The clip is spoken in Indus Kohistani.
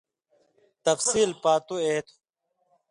تفصیل پاتُو اے تھُو۔